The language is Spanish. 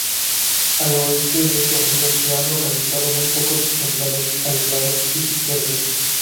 Al oeste de estos ríos se han localizado muy pocos ejemplares, aislados y dispersos.